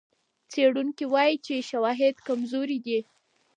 څېړونکي وايي چې شواهد کمزوري دي.